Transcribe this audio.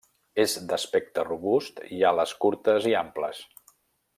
És d'aspecte robust i ales curtes i amples.